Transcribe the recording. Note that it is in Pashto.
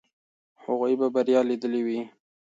هغوی به بریا لیدلې وي.